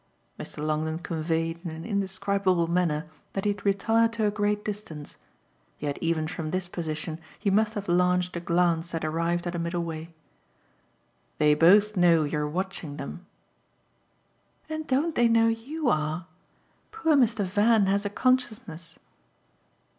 Mr. Longdon conveyed in an indescribable manner that he had retired to a great distance; yet even from this position he must have launched a glance that arrived at a middle way. "They both know you're watching them." "And don't they know YOU are? Poor Mr. Van has a consciousness!"